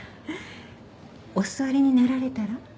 お座りになられたら？